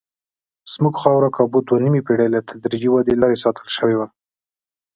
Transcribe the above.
زموږ خاوره کابو دوه نیمې پېړۍ له تدریجي ودې لرې ساتل شوې وه.